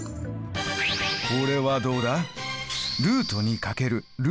これはどうだ？